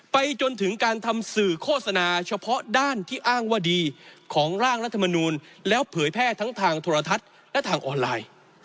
ไปจนถึงการทำสื่อโฆษณาเฉพาะด้านที่อ้างว่าดีของร่างรัฐมนูลแล้วเผยแพร่ทั้งทางโทรทัศน์และทางออนไลน์